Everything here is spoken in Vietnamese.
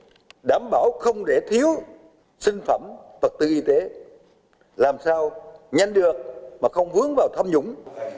tinh thần là đảm bảo không để thiếu sinh phẩm vật tư y tế làm sao nhanh được mà không vướng vào thâm nhũng